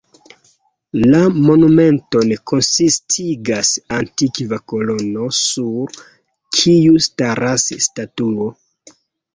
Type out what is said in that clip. La monumenton konsistigas antikva kolono sur kiu staras statuo.